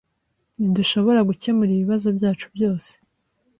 Ntidushobora gukemura ibibazo byacu byose,